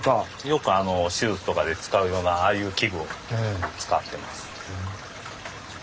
よく手術とかで使うようなああいう器具を使ってます。